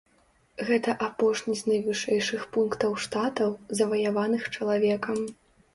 Гэта апошні з найвышэйшых пунктаў штатаў, заваяваных чалавекам.